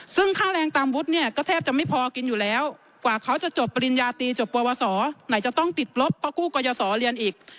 ซึ่งค่าแรงตามวุฒิเนี่ยก็แทบจะไม่พอกินอยู่แล้วกว่าเขาจะจบปริญญาตีจบปวสอไหนจะต้องติดลบเพราะกู้กรยาศรเรียนอีก